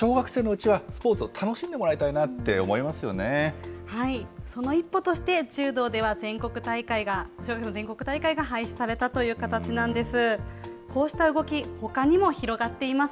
やっぱり小学生のうちはスポーツを楽しんでもらいたいなって思いその一歩として、柔道では全国大会が、小学生の全国大会が廃止されたという形なんです。